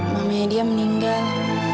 mamanya dia meninggal